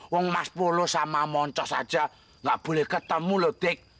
wong mas polo sama moncos aja gak boleh ketemu loh dik